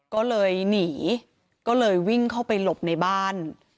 ก็เลยหนีก็เลยวิ่งเข้าไปหลบในบ้าน